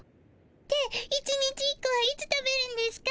で１日１個はいつ食べるんですか？